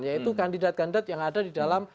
yaitu kandidat kandidat yang ada di dalam